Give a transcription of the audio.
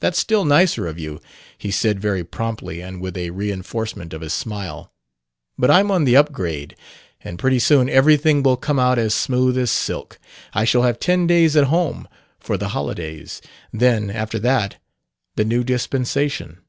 "That's still nicer of you," he said very promptly and with a reinforcement of his smile. "But I'm on the up grade, and pretty soon everything will come out as smooth as silk. I shall have ten days at home, for the holidays; then, after that, the new dispensation."